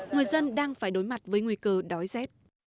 người dân đang phải đối mặt với nguy cơ đói rét